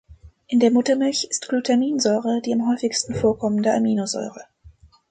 In der Muttermilch ist Glutaminsäure die am häufigsten vorkommende Aminosäure.